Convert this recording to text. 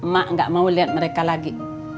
mak gak mau lihat mereka lagi